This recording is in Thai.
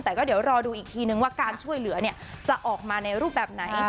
แต่ก็เดี๋ยวรอดูอีกทีนึงว่าการช่วยเหลือจะออกมาในรูปแบบไหน